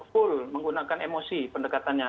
full menggunakan emosi pendekatannya